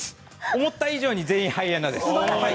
思った以上に全員ハイエナです。